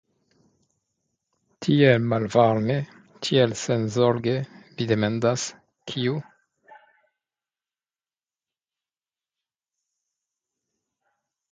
Tiel malvarme, tiel senzorge vi demandas, kiu?